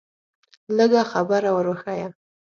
لږه خبره ور وښیه.